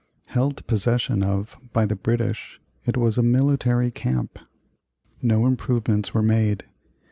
Held possession of by the British, it was a military camp. No improvements were made.